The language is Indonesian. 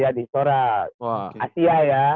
ya di istora asia ya